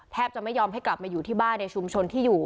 จะไม่ยอมให้กลับมาอยู่ที่บ้านในชุมชนที่อยู่